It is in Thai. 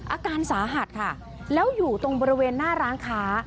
อาการสาหัสค่ะแล้วอยู่ตรงบริเวณหน้าร้านค้า